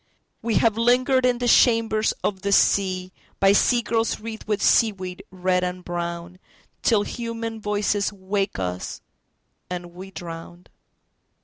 We have lingered in the chambers of the seaBy sea girls wreathed with seaweed red and brownTill human voices wake us, and we drown.